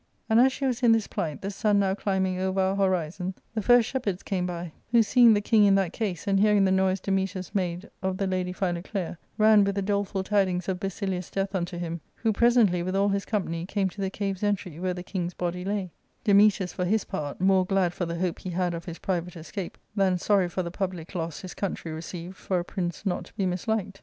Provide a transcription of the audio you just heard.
. And as she was in this plight, the sun now climbing over our horizon, the first shepherds came by, who seeing the king in that case, and hearing the noise Dametas made of the lady Philoclea, ran with the doleful tidings of Basilius' death unto him, who presently, with all his company, came to the cave's entry where the king's body lay ; Dametas, for his part, more glad for the hope he had of his private escape than sorry for the public loss his country received for a prince not to be misliked.